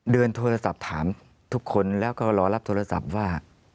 เดินโทรศัพท์ถามทุกคนแล้วก็รอรับโทรศัพท์ว่า